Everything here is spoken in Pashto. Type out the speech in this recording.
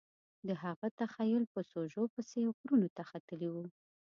د هغه تخیل په سوژو پسې غرونو ته ختلی و